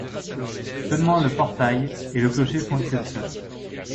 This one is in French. Seulement le portail et le clocher font exception.